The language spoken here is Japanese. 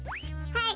はい。